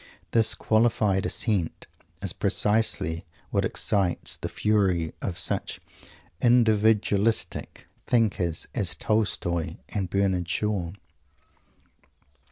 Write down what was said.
This "qualified assent" is precisely what excites the fury of such individualistic thinkers as Tolstoi and Bernard Shaw.